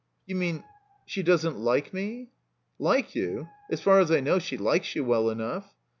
"You mean — she doesn't like me?" "Like you? As far as I know she likes you well enough."